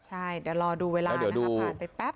ใช่เดี๋ยวรอดูเวลานะคะผ่านไปแป๊บ